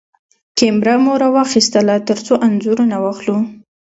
کېمره مو راواخيستله ترڅو انځورونه واخلو.